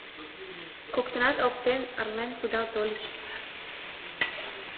Коктынат оптен, ырлен кудал тольыч.